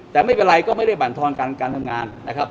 แต่ไม่เป็นไรก็ไม่ได้บรรทอนการทำงานนะครับ